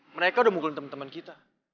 mereka udah mugelin temen temen kita